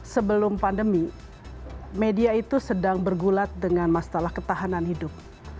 sebelum pandemi media itu sedang bergulat dengan masalah ketahanan hidup